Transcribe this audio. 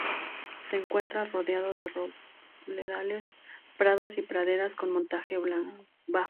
Se encuentra rodeado de robledales, prados y praderas con monte bajo.